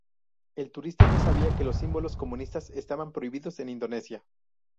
El turista no sabía que los símbolos comunistas estaban prohibidos en Indonesia.